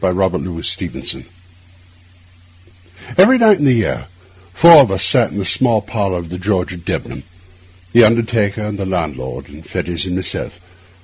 THE BODY SNATCHER EVERY night in the year, four of us sat in the small parlour of the George at Debenham—the undertaker, and the landlord, and Fettes, and myself.